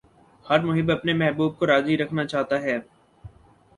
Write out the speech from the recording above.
ہر محب اپنے محبوب کو راضی رکھنا چاہتا ہے